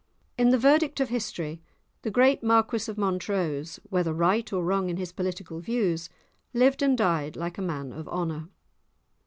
In the verdict of history, the great Marquis of Montrose, whether right or wrong in his political views, lived and died like a man of honour.